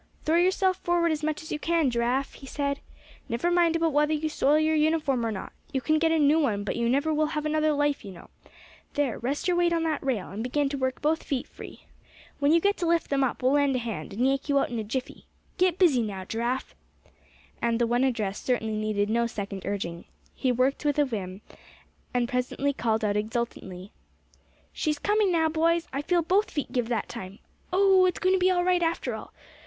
"Throw yourself forward as much as you can, Giraffe," he said. "Never mind about whether you soil your uniform or not. You can get a new one; but you never will have another life you know. There, rest your weight on that rail, and begin to work both feet free. When you get to lift them up, we'll lend a hand, and yank you out in a jiffy. Get busy now, Giraffe!" And the one addressed certainly needed no second urging. He worked with a vim, and presently called out exultantly: "She's coming now, boys; I felt both feet give that time. Oh! it's going to be all right, after all.